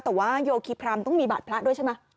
แต่ว่าโยคีพรามต้องมีบาดพระด้วยใช่ไหม